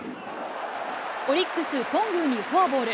オリックス、頓宮にフォアボール。